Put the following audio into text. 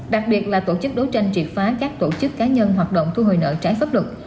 đặc biệt là tổ chức đấu tranh triệt phá các tổ chức cá nhân hoạt động thu hồi nợ trái pháp luật